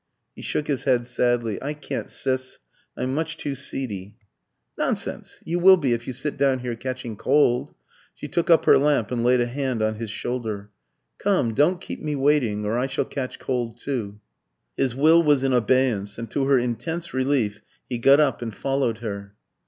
He shook his head sadly. "I can't, Sis, I'm much too seedy." "Nonsense! You will be, if you sit down here catching cold." She took up her lamp, and laid a hand on his shoulder. "Come; don't keep me waiting, or I shall catch cold too." His will was in abeyance, and to her intense relief he got up and followed her.